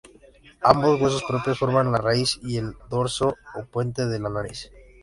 Ambos huesos propios forman la raíz y el dorso o puente de la nariz.